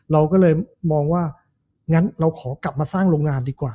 เราก็เลยมองว่างั้นเราขอกลับมาสร้างโรงงานดีกว่า